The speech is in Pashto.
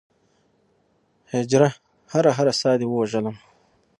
هجره! هره هره ساه دې ووژلم